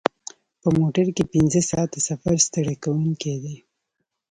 په موټر کې پنځه ساعته سفر ستړی کوونکی دی.